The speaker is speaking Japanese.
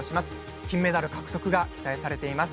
金メダル獲得が期待されています。